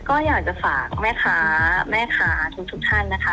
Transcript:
ก็อยากจะฝากแม่ค้าแม่ค้าทุกท่านนะคะ